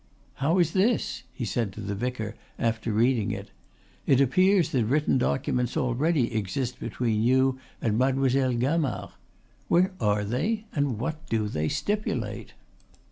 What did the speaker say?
"How is this?" he said to the vicar after reading it. "It appears that written documents already exist between you and Mademoiselle Gamard. Where are they? and what do they stipulate?"